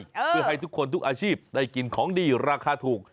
เพื่อให้ทุกคนทุกอาชีพได้กินของดีราคาถูก